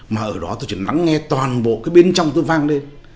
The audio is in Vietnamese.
mà ở đó tôi chỉ lắng nghe toàn bộ cái bên trong tôi vang lên